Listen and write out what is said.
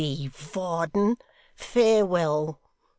Varden. Farewell!